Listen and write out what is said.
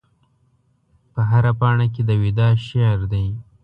په هره پاڼه کې د وداع شعر دی